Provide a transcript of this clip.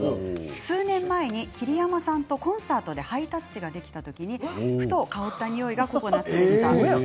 数年前に桐山さんとコンサートでハイタッチができた時にふと香った匂いがココナツでした。